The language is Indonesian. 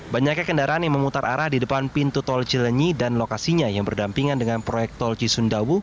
banyaknya kendaraan yang memutar arah di depan pintu tol cilenyi dan lokasinya yang berdampingan dengan proyek tol cisundawu